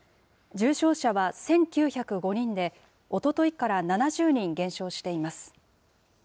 重症者は１９０５人で、おとといから７０人減少しています。